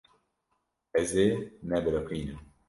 Ez ê nebiriqînim.